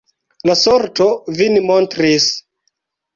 La sorto vin montris.